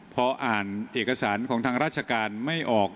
พออ่านเอกสารของทางราชการไม่ออก